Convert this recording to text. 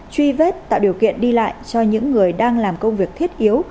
truy vết tạo điều kiện đi lại cho những người đang làm công việc thiết yếu